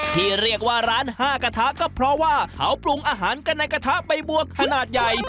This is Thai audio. ที่เรียกว่าร้านห้ากระทะก็เพราะว่าเขาปรุงอาหารกันในกระทะใบบัวขนาดใหญ่